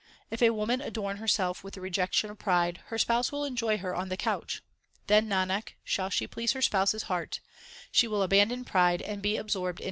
If woman adorn herself with the rejection of pride, Her Spouse will enjoy her on the couch. Then, Nanak, shall she please her Spouse s heart ; She will abandon pride and be absorbed in Him.